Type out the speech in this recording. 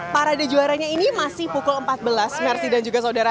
parade juaranya ini masih pukul empat belas mersi dan juga saudara